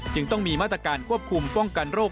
จึงต้องมีมาตรการควบคุมป้องกันโรค